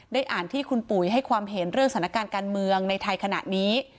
อ่านที่คุณปุ๋ยให้ความเห็นเรื่องสถานการณ์การเมืองในไทยขณะนี้